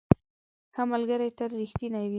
ښه ملګري تل رښتیني وي.